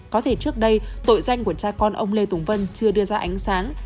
có thể trước đây tội danh của cha con ông lê tùng vân chưa đưa ra ánh sáng